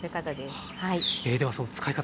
ではその使い方